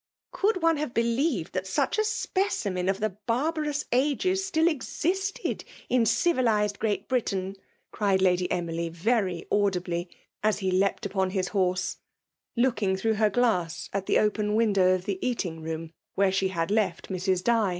" Could one have believed that such a spe cimen of the barbarous ages still existed in civilized Great Britain!" cried Lady Emily, very audibly, [as he leaped upon his horse ; looking through her glass at the open window of the eating room, where she had left Mrs. Di.